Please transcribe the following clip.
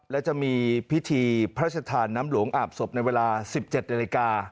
และจะมีพิธีพระชธานน้ำหลวงอาบศพในเวลา๑๗นาฬิกา